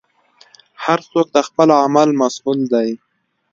هر څوک د خپل عمل مسوول دی.